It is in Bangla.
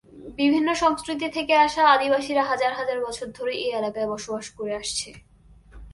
বিভিন্ন সংস্কৃতি থেকে আসা আদিবাসীরা হাজার হাজার বছর ধরে এই এলাকায় বসবাস করে আসছে।